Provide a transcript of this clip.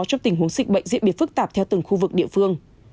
trong tình huống dịch bệnh diễn biến phức tạp theo từng khu vực địa phương